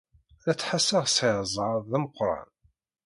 La ttḥassaɣ sɛiɣ zzheṛ d ameqran.